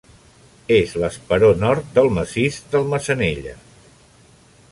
És l'esperó nord del massís del Massanella.